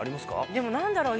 でも何だろう？